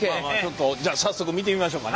じゃあ早速見てみましょうかね。